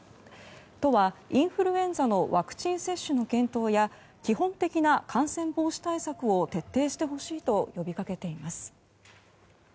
都はインフルエンザのワクチン接種の検討や基本的な感染防止対策を徹底してほしいと呼びかけています。